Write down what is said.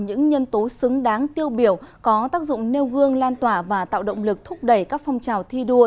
những nhân tố xứng đáng tiêu biểu có tác dụng nêu gương lan tỏa và tạo động lực thúc đẩy các phong trào thi đua